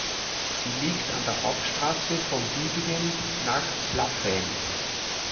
Sie liegt an der Hauptstrasse von Düdingen nach Plaffeien.